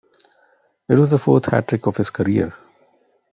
It was the fourth hat-trick of his career.